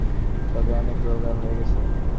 তবে অনেক রোগা হয়ে গেছে।